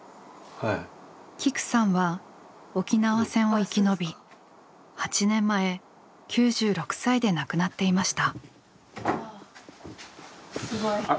きくさんは沖縄戦を生き延び８年前９６歳で亡くなっていました。